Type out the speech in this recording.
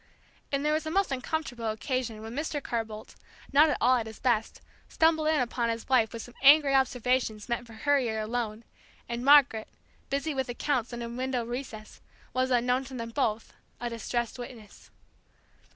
And there was a most uncomfortable occasion when Mr. Carr Boldt, not at all at his best, stumbled in upon his wife with some angry observations meant for her ear alone; and Margaret, busy with accounts in a window recess, was, unknown to them both, a distressed witness.